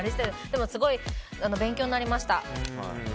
でもすごく勉強になりました。